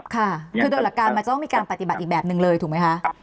ค่ะคือโดยหลักการมันจะต้องมีการปฏิบัติอีกแบบหนึ่งเลยถูกไหมคะ